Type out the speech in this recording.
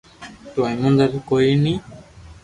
تو ايموندار مينک ڪوئي ني